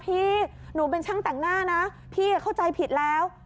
พี่หนูเป็นช่างแต่งหน้านะพี่เข้าใจผิดแล้ว